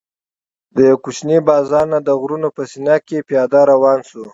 د یوه کوچني بازار نه د غرونو په سینه کې پلی روان شولو.